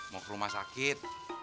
mau ke rumah sakit